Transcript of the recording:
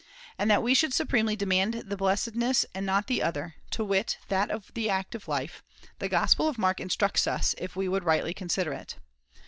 And that we should supremely demand this blessedness and not the other (to wit that of the active life), the Gospel of Mark instructs us, if we would rightly consider it.